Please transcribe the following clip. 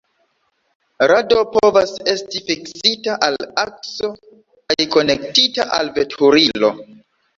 Rado povas esti fiksita al akso kaj konektita al veturilo.